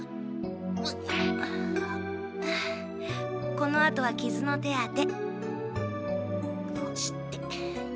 このあとはきずの手当て。